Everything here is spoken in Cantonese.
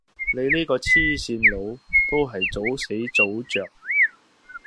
你呢個黐線佬都係早死早著